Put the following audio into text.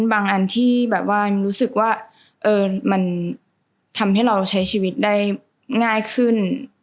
อันที่แบบว่ารู้สึกว่ามันทำให้เราใช้ชีวิตได้ง่ายขึ้น